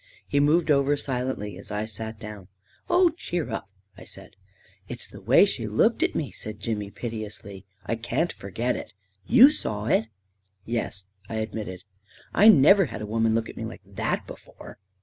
He moved over silently as I sat down. 44 Oh, cheer up! "I said. 44 It's the way she looked at me/ 9 said Jimmy, piteously. " I can't forget it. You saw it." " Yes," I admitted. 44 1 never had a woman look at me like that be fore."